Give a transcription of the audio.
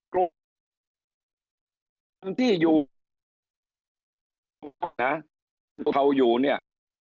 กลุ่มคนที่อยู่นะเขาอยู่เนี่ย